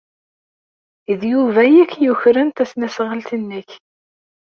D Yuba ay ak-yukren tasnasɣalt-nnek.